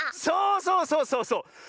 そうそうそうそうそう！